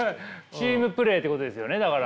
チームプレーということですよねだから。